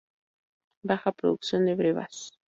Baja producción de brevas.